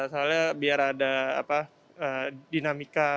soalnya biar ada dinamika